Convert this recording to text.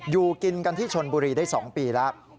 อยู่กินกันที่ชนบุรีได้๒ปีแล้ว